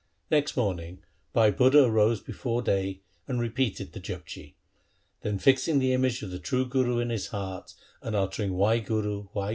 Next morning Bhai Budha arose before day and repeated the Japji. Then fixing the image of the true Guru in his heart and uttering ' Wahguru